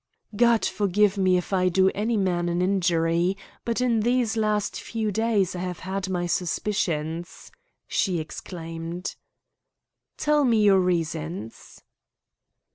"God forgive me if I do any man an injury, but in these last few days I have had my suspicions," she exclaimed. "Tell me your reasons."